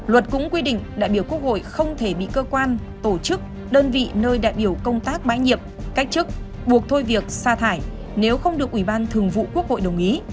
luật cũng quy định đại biểu quốc hội không thể bị cơ quan tổ chức đơn vị nơi đại biểu công tác bãi nhiệm cách chức buộc thôi việc sa thải nếu không được ủy ban thường vụ quốc hội đồng ý